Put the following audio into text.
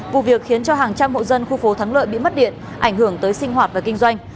vụ việc khiến cho hàng trăm hộ dân khu phố thắng lợi bị mất điện ảnh hưởng tới sinh hoạt và kinh doanh